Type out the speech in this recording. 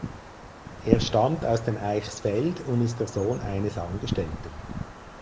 Er stammt aus dem Eichsfeld und ist der Sohn eines Angestellten.